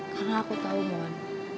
karena aku tau mohan